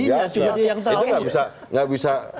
itu jadi yang terakhir itu enggak bisa